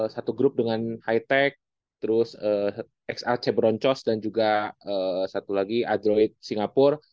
satu grup dengan hitech terus xrc broncos dan juga satu lagi adroid singapur